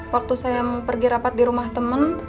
waktu saya mau pergi rapat di rumah temen